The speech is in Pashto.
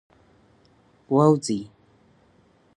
ووځی.